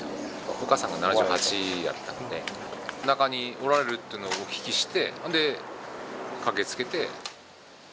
お母さんが７８だったので、中におられるっていうのをお聞きして、ほんで駆けつけて。